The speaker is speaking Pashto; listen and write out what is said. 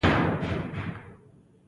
• ریښتینی سړی هیڅکله دوکه نه کوي.